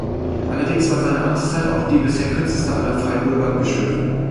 Allerdings war seine Amtszeit auch die bisher kürzeste aller Freiburger Bischöfe.